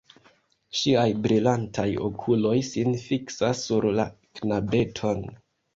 Ŝiaj brilantaj okuloj sin fiksas sur la knabeton.